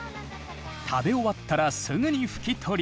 食べ終わったらすぐにふきとり。